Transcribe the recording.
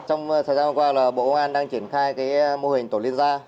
trong thời gian qua bộ công an đang triển khai mô hình tổ liên gia